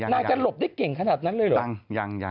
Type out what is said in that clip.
นางจะหลบได้เก่งขนาดนั้นเลยเหรอ